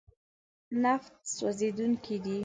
نفت سوځېدونکی دی.